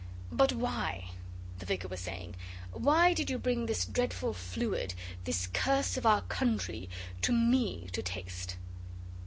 'But why,' the Vicar was saying, 'why did you bring this dreadful fluid, this curse of our country, to me to taste?